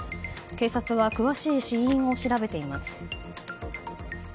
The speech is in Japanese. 警察は詳しい死因を調べています。